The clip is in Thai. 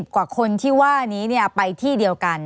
กว่าคนที่ว่านี้ไปที่เดียวกัน